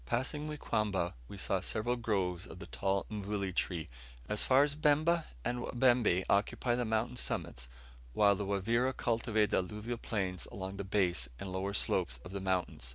Passing Muikamba, we saw several groves of the tall mvule tree. As far as Bemba the Wabembe occupy the mountain summits, while the Wavira cultivate the alluvial plains along the base and lower slopes of the mountain.